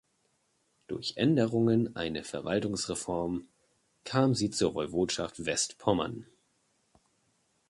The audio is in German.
Durch Änderungen eine Verwaltungsreform kam sie zur Woiwodschaft Westpommern.